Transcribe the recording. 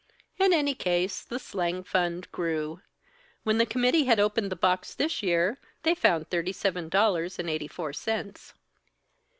In any case, the slang fund grew. When the committee had opened the box this year, they found thirty seven dollars and eighty four cents.